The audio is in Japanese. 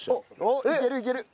いけるいける。